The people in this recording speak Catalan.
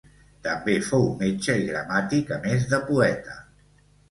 També fou metge i gramàtic a més de poeta.